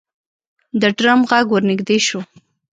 د ډرم غږ ورنږدې شو.